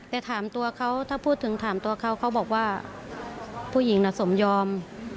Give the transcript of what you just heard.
แต่ถามตัวเขาถ้าพูดถึงถามตัวเขาเขาบอกว่าผู้หญิงน่ะสมยอม